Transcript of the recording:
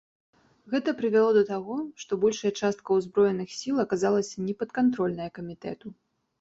Гэта прывяло да таго, што большая частка ўзброеных сіл аказалася непадкантрольная камітэту.